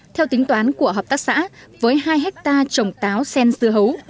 theo tính toán của hợp tác xã với hai hectare trồng táo sen dưa hấu